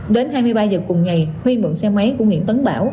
đến hai mươi ba giờ cùng ngày huy mượn xe máy của nguyễn tấn bảo